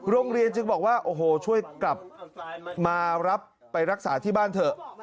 โรงเรียนจึงบอกว่าโอ้โหช่วยกลับมารับไปรักษาที่บ้านเถอะ